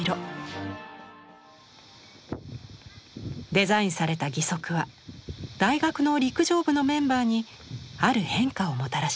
デザインされた義足は大学の陸上部のメンバーにある変化をもたらします。